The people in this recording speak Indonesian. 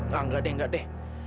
enggak deh enggak deh